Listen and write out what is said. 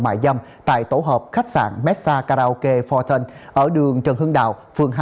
mại dâm tại tổ hợp khách sạn messa karaoke fortin ở đường trần hưng đào phương hai quận năm